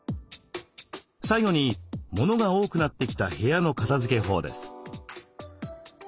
最後に物が多くなってきた部屋の片づけ法です。